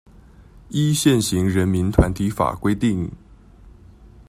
依現行人民團體法規定